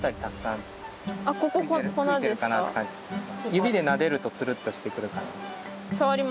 指でなでるとつるっとしてくる感じ。